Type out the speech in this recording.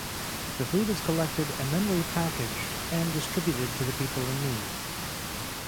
The food is collected and then repackaged and distributed to the people in need.